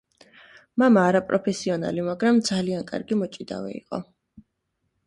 მამა არაპროფესიონალი, მაგრამ ძალიან კარგი მოჭიდავე იყო.